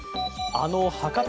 あの博多